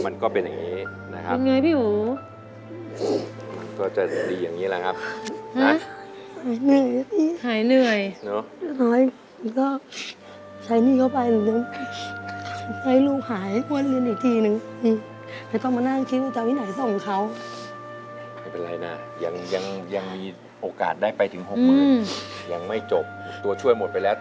มันก็เป็นอย่างเนี้ยะว่ะ